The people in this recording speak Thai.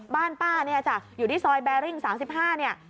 บ้านป้าเนี่ยจ้ะอยู่ที่ซอยแบริ่ง๓๕เนี่ย